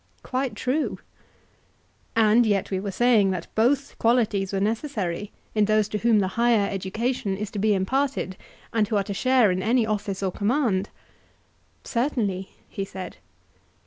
Quite true. And yet we were saying that both qualities were necessary in those to whom the higher education is to be imparted, and who are to share in any office or command. Certainly, he said.